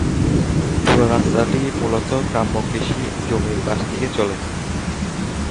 পুরো রাস্তাটি মুলত গ্রাম্য কৃষি জমির পাশ দিয়ে চলে।